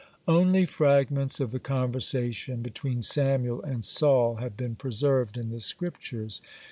Only fragments of the conversation between Samuel and Saul have been preserved in the Scriptures.